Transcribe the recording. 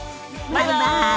バイバイ！